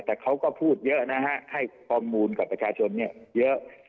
แต่เขาก็พูดเยอะนะฮะให้ข้อมูลกับประชาชนเนี่ยเยอะ